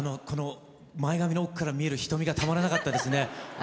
前髪の奥から見える瞳がたまらなかったですね。